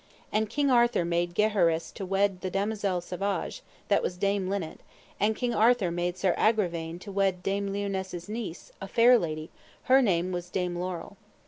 And King Arthur made Gaheris to wed the Damosel Savage, that was Dame Linet; and King Arthur made Sir Agravaine to wed Dame Lionesse's niece, a fair lady, her name was Dame Laurel.